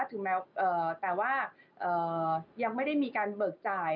แต่ว่ายังไม่ได้มีการเบิกจ่าย